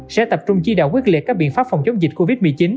sẽ tập trung chỉ đạo quyết liệt các biện pháp phòng chống dịch covid một mươi chín